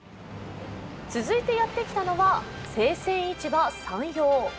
続いてやってきたのは生鮮市場さんよう。